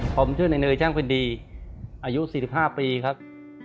ผมชื่อในเนยช่างเป็นดีอายุ๔๕ปีครับ